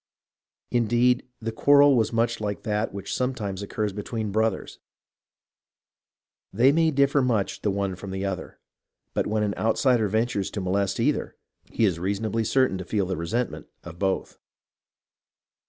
Indeed, the quarrel was much like that which sometimes occurs between brothers. They may differ much the one from the other, but when an outsider ventures to molest either, he is reasonably certain to feel the resentment of both.